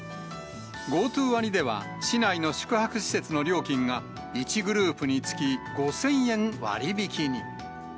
ＧｏＴｏ割では、市内の宿泊施設の料金が、１グループにつき５０００円割引に。